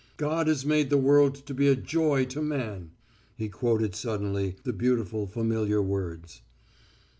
'God has made the world to be a joy to man,'" he quoted suddenly the beautiful, familiar words.